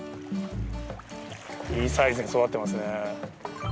いいサイズに育ってますね。